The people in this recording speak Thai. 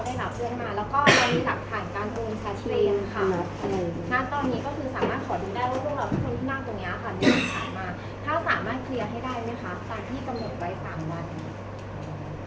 แล้วตัวนี้คือเราติดต่อไปกับทางทีมค่ะที่เป็นหัวหน้าค่ะ